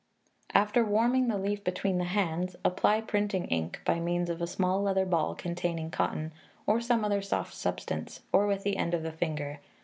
After warming the leaf between the hands apply printing ink, by means of a small leather ball containing cotton, or some soft substance, or with the end of the finger.